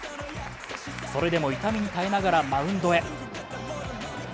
それでも痛みに耐えながらマウンドへ。